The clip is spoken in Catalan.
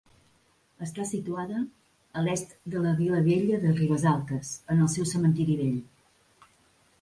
Està situada, a l'est de la vila vella de Ribesaltes, en el seu cementiri vell.